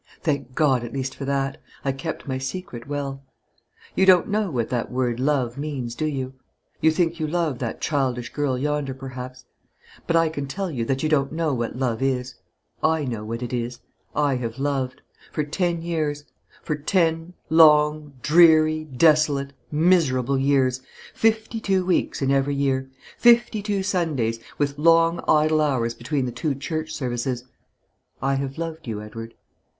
Thank God at least for that. I kept my secret well. You don't know what that word 'love' means, do you? You think you love that childish girl yonder, perhaps; but I can tell you that you don't know what love is. I know what it is. I have loved. For ten years, for ten long, dreary, desolate, miserable years, fifty two weeks in every year, fifty two Sundays, with long idle hours between the two church services I have loved you, Edward.